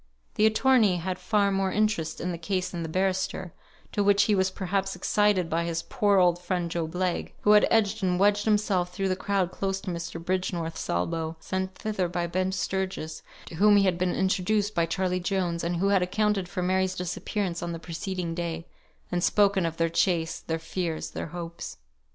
The attorney had far more interest in the case than the barrister, to which he was perhaps excited by his poor old friend Job Legh; who had edged and wedged himself through the crowd close to Mr. Bridgenorth's elbow, sent thither by Ben Sturgis, to whom he had been "introduced" by Charley Jones, and who had accounted for Mary's disappearance on the preceding day, and spoken of their chase, their fears, their hopes.